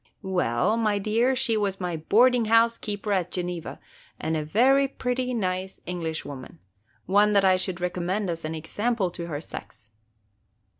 "Well, my dear, she was my boarding house keeper at Geneva, and a very pretty, nice Englishwoman, – one that I should recommend as an example to her sex."